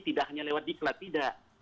tidak hanya lewat diklat tidak